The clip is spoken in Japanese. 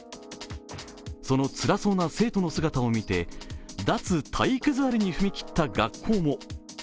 そのつらそうな生徒の姿を見て脱体育座りに踏み切った学校も。